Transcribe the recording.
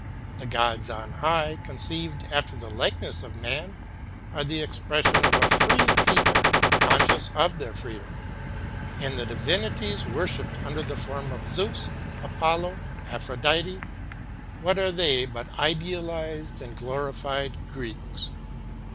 The gods on high, conceived after the likeness of man, are the expression of a free peo ple conscious of their freedom. And the divinities wor shiped, under the form of Zeus, Apollo, Aphrodite — what are they but idealized and glorified Greeks?